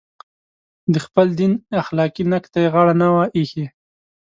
د خپل دین اخلاقي نقد ته یې غاړه نه وي ایښې.